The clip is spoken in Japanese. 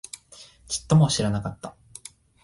ちっとも知らなかった